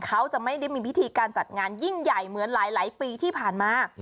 เขาจะไม่ได้มีพิธีการจัดงานยิ่งใหญ่เหมือนหลายปีที่ผ่านมา